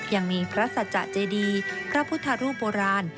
ยังมีพระสัจจะเจดีพระพุทธรูปโบราณ